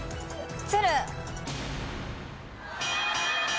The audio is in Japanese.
つる。